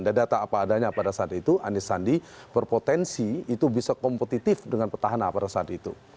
dan data apa adanya pada saat itu anies sandi berpotensi itu bisa kompetitif dengan petahana pada saat itu